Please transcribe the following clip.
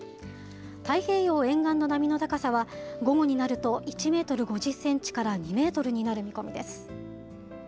太平洋沿岸の波の高さは、午後になると１メートル５０センチから２メートルになる見込みです。